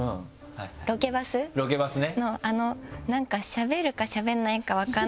ロケバスね。